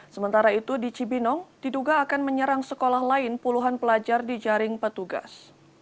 sementara itu di cibinong diduga akan menyerang sekolah lain puluhan pelajar di jaring petugas